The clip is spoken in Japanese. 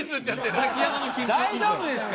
大丈夫ですか？